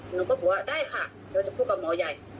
หนูก็บอกว่าได้ค่ะเดี๋ยวจะพูดกับหมอใหญ่